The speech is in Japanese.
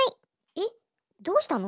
えっどうしたの？